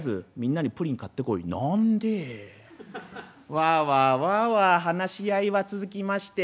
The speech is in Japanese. わわわわ話し合いは続きまして。